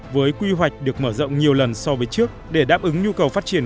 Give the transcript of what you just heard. với quy hoạch được mở rộng nhiều lần so với trước để đáp ứng nhu cầu phát triển